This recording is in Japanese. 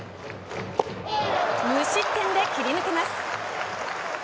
無失点で切り抜けます。